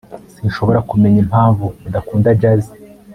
sinshobora kumenya impamvu udakunda jazz